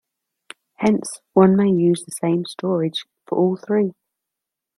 Hence one may use the same storage for all three.